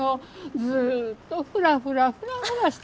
ずーっとフラフラフラフラしてるの。